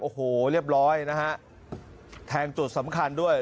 โอ้โหเรียบร้อยนะฮะแทงจุดสำคัญด้วย